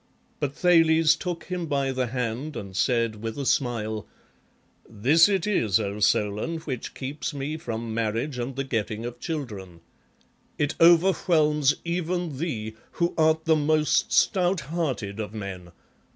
But Thales took him by the hand and said, with a smile, " This it is, O Solon, which keeps me from marriage and the getting of children; it overwhelms even thee, who art the most stout hearted of men.